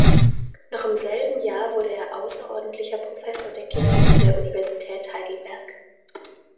Noch im selben Jahr wurde er außerordentlicher Professor der Chemie an der Universität Heidelberg.